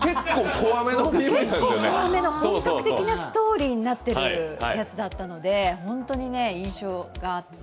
結構、怖めの本格的なストーリーになっているやつだったので本当に印象があって。